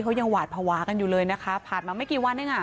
เขายังหวาดภาวะกันอยู่เลยนะคะผ่านมาไม่กี่วันเองอ่ะ